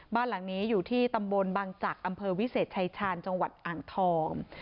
บ้านหลังนี้อยู่ที่ตำบลบังจักรอำเภอวิเศษชายชาญจังหวัดอ่างทอง